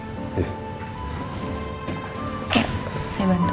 oke saya bantu